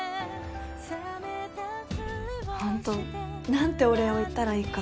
何てお礼を言ったらいいか。